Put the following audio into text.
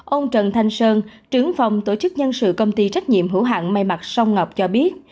ông trần thanh sơn trưởng phòng tổ chức nhân sự công ty trách nhiệm hữu hạng may mặt sông ngọc cho biết